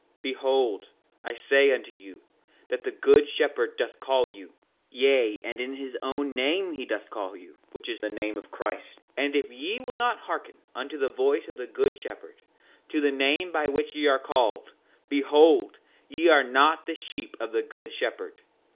5:38 Behold, I say unto you, that the good shepherd doth call you; yea, and in his own name he doth call you, which is the name of Christ; and if ye will not hearken unto the voice of the good shepherd, to the name by which ye are called, behold, ye are not the sheep of the good shepherd.